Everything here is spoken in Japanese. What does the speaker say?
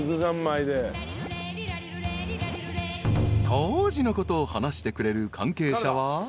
［当時のことを話してくれる関係者は］